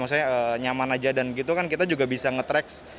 maksudnya nyaman aja dan gitu kan kita juga bisa nge track